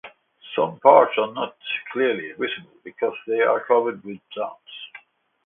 Some parts are not clearly visible because they are covered with plants.